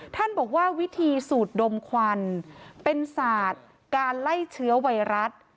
ท่านบอกว่าวิธีสูดดมควันเป็นศาสตร์การไล่เชื้อไวรัส